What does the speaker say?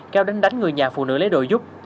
kéo đến đánh người nhà phụ nữ lấy đồ giúp